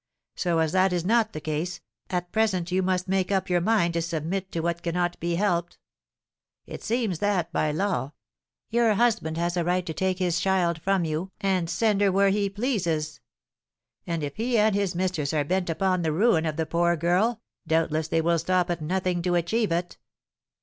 So, as that is not the case, at present you must make up your mind to submit to what cannot be helped. It seems that, by law, your husband has a right to take his child from you and send her where he pleases. And if he and his mistress are bent upon the ruin of the poor girl, doubtless they will stop at nothing to achieve it."